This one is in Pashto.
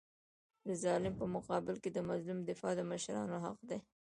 د ظالم په مقابل کي د مظلوم دفاع د مشرانو حق دی.